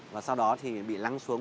và sau đó thì bị lăng xuống